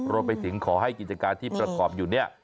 รวมไปถึงขอให้กิจการที่ประกอบอยู่เนี่ย